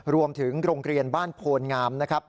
รวมถึงโรงเรียนบ้านโผล่งามนะครับ